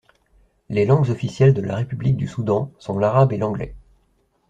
Les langues officielles de la République du Soudan sont l'arabe et l'anglais.